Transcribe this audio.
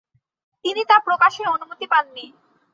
তিনি তা প্রকাশের অনুমতি পাননি।